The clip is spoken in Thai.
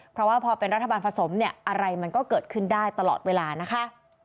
เพราะว่าพอเป็นรัฐบาลผสมเนี่ยอะไรมันก็เกิดขึ้นได้ตลอดเวลานะคะ